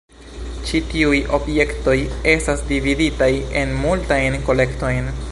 Ĉi tiuj objektoj estas dividitaj en multajn kolektojn.